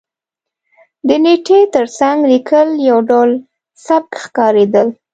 د نېټې تر څنګ لېکل یو ډول سپک ښکارېدل.